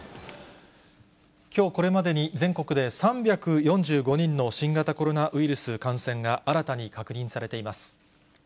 きょうこれまでに全国で３４５人の新型コロナウイルス感染が新たに確認されています。